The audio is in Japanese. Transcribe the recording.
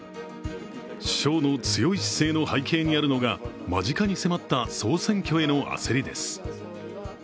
首相の強い姿勢の背景にあるのが間近に迫った総選挙への焦りです。